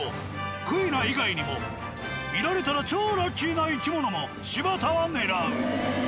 クイナ以外にも見られたら超ラッキーな生き物も柴田は狙う。